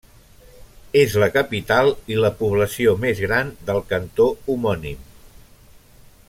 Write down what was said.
És la capital i la població més gran del cantó homònim.